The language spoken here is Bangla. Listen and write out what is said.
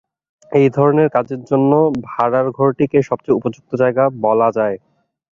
এই ধরনের কাজের জন্যে ভাড়ারঘরটিকে সবচেয়ে উপযুক্ত জায়গা বলা যায়।